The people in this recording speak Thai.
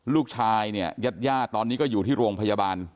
ลูกชายเนี่ยญาติญาติตอนนี้ก็อยู่ที่โรงพยาบาล